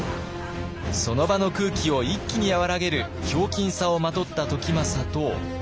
その場の空気を一気に和らげるひょうきんさをまとった時政と。